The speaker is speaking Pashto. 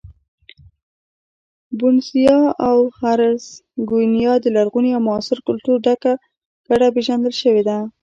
بوسنیا او هرزګوینا د لرغوني او معاصر کلتور ګډه پېژندل شوې ده.